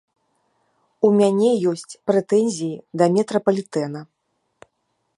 У мяне ёсць прэтэнзіі да метрапалітэна.